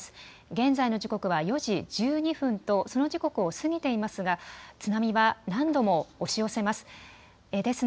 現在の時刻は４時１２分とその時刻を過ぎていますが津波は何度も押し寄せます。